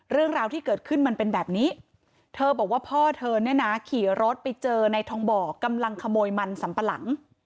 เรื่องราวที่เกิดขึ้นมันเป็นแบบนี้เธอบอกว่าพ่อเธอเนี่ยนะขี่รถไปเจอในทองบ่อกำลังขโมยมันสัมปะหลัง